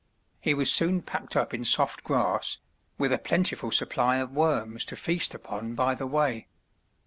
He was soon packed up in soft grass, with a plentiful supply of worms to feast upon by the way.